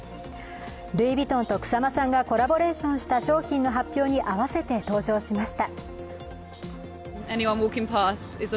ルイ・ヴィトンと草間さんがコラボレーションした商品の発表に合わせて登場しました。